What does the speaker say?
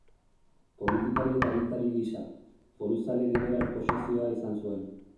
Politikari eta agintari gisa, foruzale liberal posizioa izan zuen.